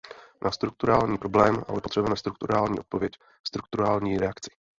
Na strukturální problém ale potřebujeme strukturální odpověď, strukturální reakci.